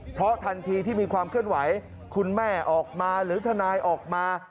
เพราะทันทีที่มีความเคลื่อนไหวคุณแม่ออกมาหรือทนายออกมา